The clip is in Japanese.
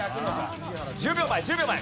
１０秒前１０秒前。